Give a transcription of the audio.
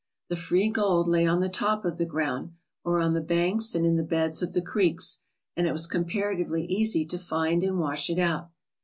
The free gold lay on the top of the ground, or on the banks and in the beds of the creeks, and it was comparatively easy to find and wash it out.